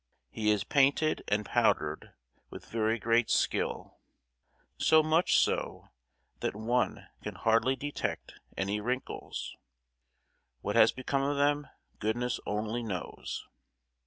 He is painted and powdered with very great skill, so much so that one can hardly detect any wrinkles. What has become of them, goodness only knows.